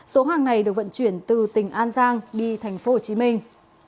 số hàng này được vận chuyển từ tỉnh an giang đi thành phố hồ chí minh